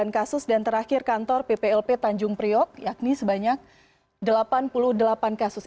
sembilan kasus dan terakhir kantor pplp tanjung priok yakni sebanyak delapan puluh delapan kasus